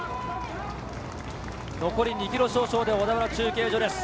残り２キロ少々で小田原中継所です。